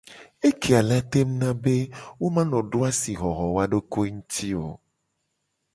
Ekeya la tengu na be wo mu la no do asixoxo woa dokoe nguti o.